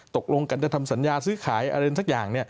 ตกลงกันจะทำสัญญาซื้อขายอะไรสักอย่าง